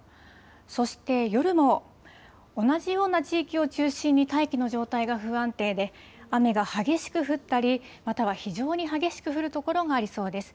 そして夜も同じような地域を中心に大気の状態が不安定で、雨が激しく降ったり、または非常に激しく降る所がありそうです。